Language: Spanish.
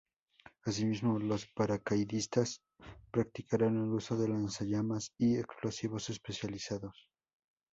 Asimismo, los paracaidistas practicaron el uso de lanzallamas y explosivos especializados.